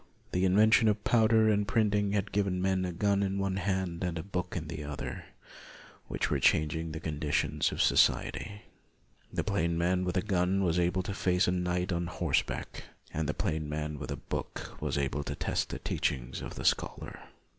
The invention of powder and of printing had given men a gun in one hand and a book in the other, which were changing the conditions of society. The plain man with the gun was able to face the knight on horseback, and the plain man with the book was able to test the teach ings of the scholar.